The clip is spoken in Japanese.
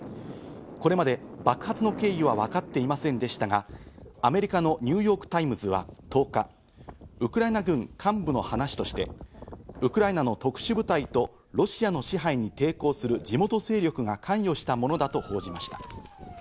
これまで爆発の経緯は分かっていませんでしたが、アメリカのニューヨークタイムズは１０日、ウクライナ軍幹部の話としてウクライナの特殊部隊とロシアの支配に抵抗する地元勢力が関与したものだと報じました。